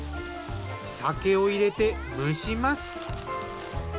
酒を入れて蒸します。